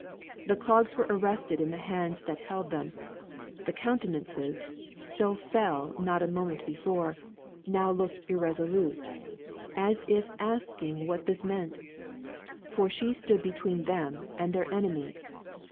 The clogs were arrested in the hands that held them the countenances, so fell not a moment before, now looked irresolute, and as if asking what this meant. For she stood between them and their enemy.